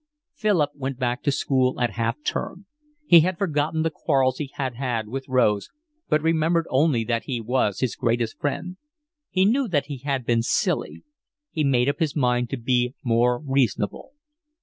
Philip went back to school at half term. He had forgotten the quarrels he had had with Rose, but remembered only that he was his greatest friend. He knew that he had been silly. He made up his mind to be more reasonable.